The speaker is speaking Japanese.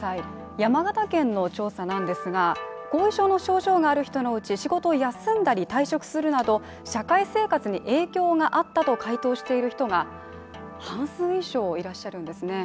山形県の調査なんですが後遺症の症状がある人のうち、仕事を休んだり退職するなど社会生活に影響があったと回答している人が半数以上いらっしゃるんですね。